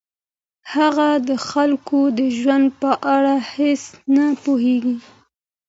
هغه د خلکو د ژوند په اړه هیڅ نه پوهیږي.